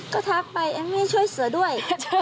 ก็ทักไปเอมมี่ช่วยเสือด้วย